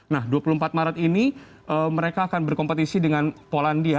nah dua puluh empat maret ini mereka akan berkompetisi dengan polandia